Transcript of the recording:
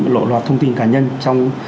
lộ lọt thông tin cá nhân trong